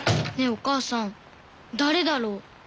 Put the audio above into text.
お母さん誰だろう？